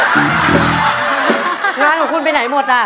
งานของคุณไปไหนหมดอ่ะ